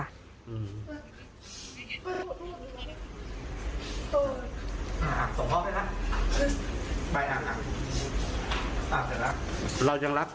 ให้เวลาที่สุดกันครับคุณหมอ